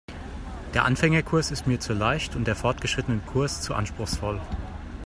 Der Anfängerkurs ist mir zu leicht und der Fortgeschrittenenkurs zu anspruchsvoll.